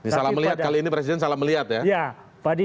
salah melihat kali ini presiden salah melihat ya